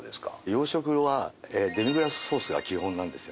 洋食はデミグラスソースが基本なんですよね。